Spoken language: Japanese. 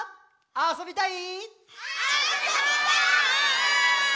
あそびたい！